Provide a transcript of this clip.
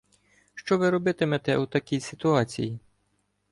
Що ви робитимете у такій ситуації?